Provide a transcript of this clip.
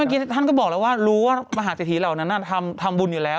เมื่อกี้ท่านก็บอกแล้วว่ารู้ว่ามหาเศรษฐีเหล่านั้นทำบุญอยู่แล้ว